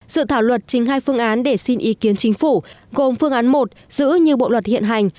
sự thảo luật trình hai phương án để xin ý kiến chính phủ gồm phương án một giữ như bộ luật hiện hành